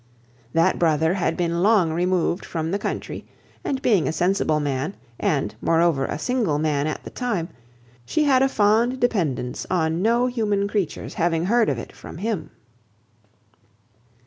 That brother had been long removed from the country and being a sensible man, and, moreover, a single man at the time, she had a fond dependence on no human creature's having heard of it from him.